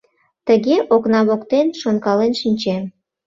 Тыге окна воктен шонкален шинчем.